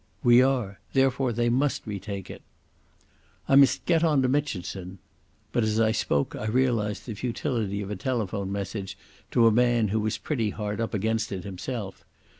"We are. Therefore they must retake it." "I must get on to Mitchinson." But as I spoke I realised the futility of a telephone message to a man who was pretty hard up against it himself.